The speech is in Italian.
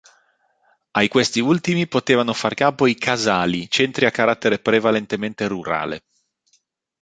Ai questi ultimi potevano far capo i "casali", centri a carattere prevalentemente rurale.